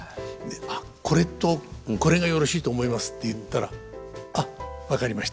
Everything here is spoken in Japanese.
「あっこれとこれがよろしいと思います」って言ったら「あっ分かりました。